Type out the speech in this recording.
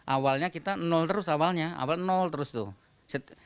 awalnya kita nol terus awalnya awal terus tuh